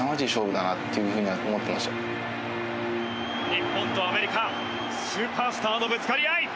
日本とアメリカスーパースターのぶつかり合い。